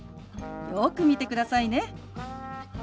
よく見てくださいね。